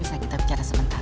bisa kita bicara sebentar